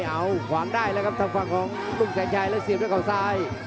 เอาขวางได้แล้วครับทางฝั่งของตุ้งแสนชัยแล้วเสียบด้วยเขาซ้าย